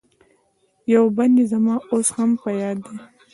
یو بند یې زما اوس هم په یاد دی.